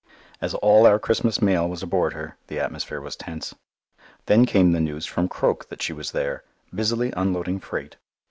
As all our Christmas mail was aboard her, the atmosphere was tense. Then came the news from Croque that she was there, busily unloading freight.